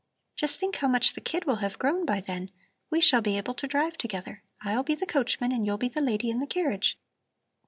Just think how much the kid will have grown by then! We shall be able to drive together. I'll be the coachman and you'll be the lady in the carriage.